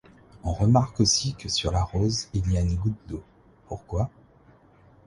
On remarque aussi que sur la rose il y a une goutte d'eau, pourquoi?